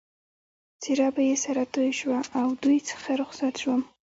څېره به یې سره توی شوه، له دوی څخه رخصت شوم.